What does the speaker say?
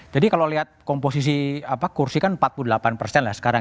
jadi kalau lihat komposisi kursi kan empat puluh delapan sekarang